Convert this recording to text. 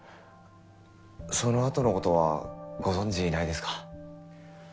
そのあとの事はご存じないですか？